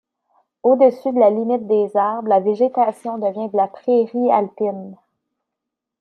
Au-dessus de la limite des arbres, la végétation devient de la prairie alpine.